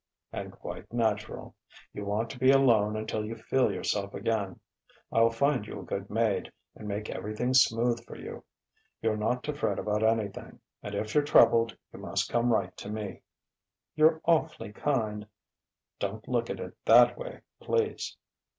"And quite natural. You want to be alone until you feel yourself again.... I'll find you a good maid, and make everything smooth for you. You're not to fret about anything, and if you're troubled you must come right to me." "You're awf'ly kind." "Don't look at it that way, please."